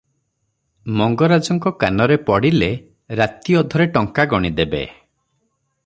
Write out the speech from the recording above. ମଙ୍ଗରାଜଙ୍କ କାନରେ ପଡ଼ିଲେ ରାତି ଅଧରେ ଟଙ୍କା ଗଣି ଦେବେ ।